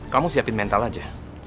kamu siapin mental aja